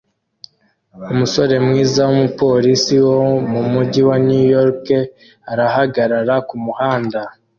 Umusore mwiza wumupolisi wo mumujyi wa New York arahagarara kumuhanda